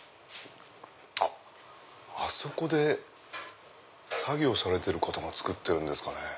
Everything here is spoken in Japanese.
あっあそこで作業されてる方が作ってるんですかね。